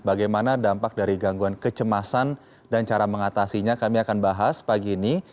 bagaimana dampak dari gangguan kecemasan dan cara mengatasinya kami akan bahas pagi ini